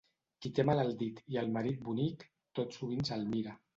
Qui té mal al dit i el marit bonic, tot sovint se'l mira.